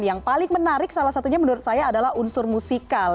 yang paling menarik salah satunya menurut saya adalah unsur musikal